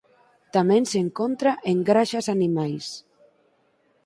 Tamén se encontra en graxas animais.